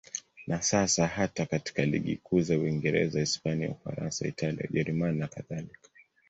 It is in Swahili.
Na sasa hata katika ligi kuu za Uingereza, Hispania, Ufaransa, Italia, Ujerumani nakadhalika.